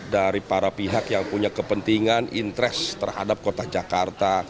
dari para pihak yang punya kepentingan interest terhadap kota jakarta